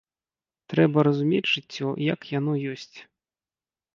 Трэба разумець жыццё, як яно ёсць.